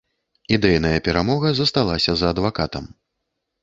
Ідэйная перамога засталася за адвакатам.